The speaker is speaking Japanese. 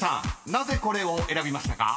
なぜこれを選びましたか？］